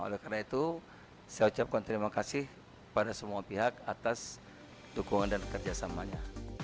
oleh karena itu saya ucapkan terima kasih pada semua pihak atas dukungan dan kerjasamanya